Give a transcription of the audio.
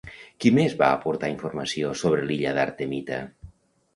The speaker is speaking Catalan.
Qui més va aportar informació sobre l'illa d'Artemita?